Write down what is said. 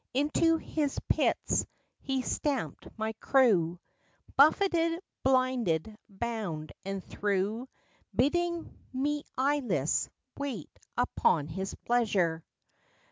Into his pits he stamped my crew, Buffeted, blinded, bound and threw; Bidding me eyeless wait upon his pleasure.